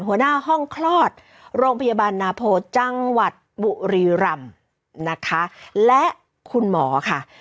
หัวหน้าห้องคลอดโรงพยาบาลนาโพจังหวัดบุรีรำนะคะและคุณหมอค่ะ